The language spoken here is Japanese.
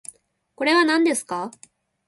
これはなんですか？